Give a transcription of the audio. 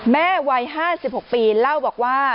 แม่วัยห้าสิบหกปีเล่าบอกว่า